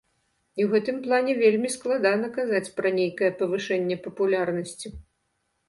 І ў гэтым плане вельмі складана казаць пра нейкае павышэнне папулярнасці.